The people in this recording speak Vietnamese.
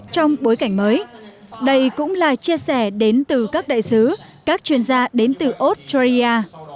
trong bối cảnh mới đây cũng là chia sẻ đến từ các đại sứ các chuyên gia đến từ australia